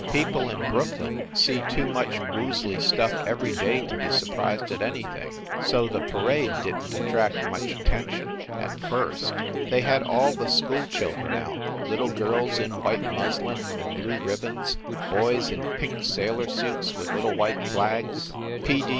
People in Brooklyn see too much woozly stuff every day to be surprised at anything. So the parade didn t at tract much attention at first. They had all the school children out little girls in white muslin and blue ribbons, boys in pink sailor suits with little white flags.